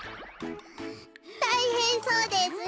たいへんそうですね。